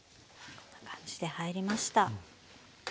こんな感じで入りました。